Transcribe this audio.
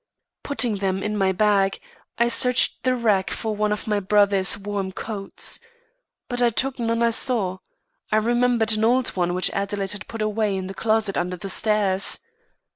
Putting them in my bag, I searched the rack for one of my brother's warm coats. But I took none I saw. I remembered an old one which Adelaide had put away in the closet under the stairs.